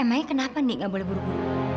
emangnya kenapa ndi nggak boleh buru buru